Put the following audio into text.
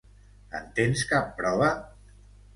En tens cap prova?